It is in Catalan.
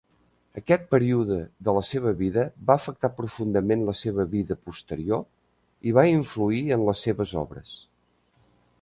Aquest període de la seva vida va afectar profundament la seva vida posterior i va influir en les seves obres.